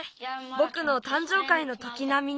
ぼくのたんじょうかいのときなみに！